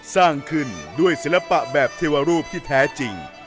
สร้างขึ้นด้วยศิลปะแบบเทวรูปที่แท้จริง